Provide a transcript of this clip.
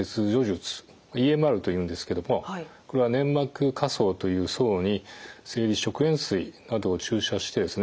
ＥＭＲというんですけどもこれは粘膜下層という層に生理食塩水などを注射してですね